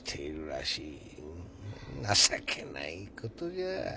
情けないことじゃ。